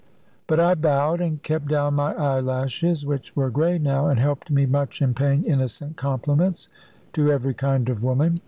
But I bowed, and kept down my eyelashes; which were grey now, and helped me much in paying innocent compliments to every kind of woman.